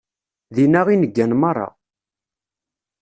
Dinna i neggan meṛṛa.